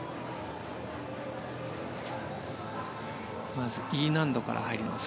まずＥ難度から入ります。